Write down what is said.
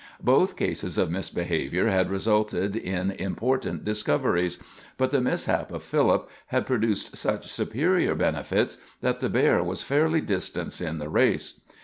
Both cases of misbehavior had resulted in important discoveries, but the mishap of Philip had produced such superior benefits that the bear was fairly distanced in the race.